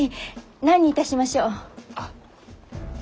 何にいたしましょう？あっ。